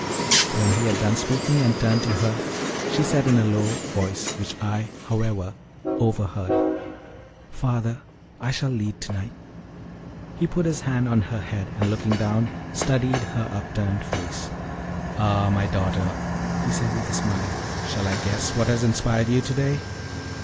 When he had done speaking, and turned to her, she said in a low voice, which I, however, overheard: "Father, I shall lead to night." He put his hand on her head, and, looking down, studied her upturned face. "Ah, my daughter," he said with a smile, "shall I guess what has inspired you to day?